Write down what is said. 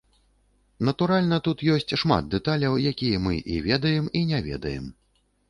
Натуральна, тут ёсць шмат дэталяў, якія мы і ведаем, і не ведаем.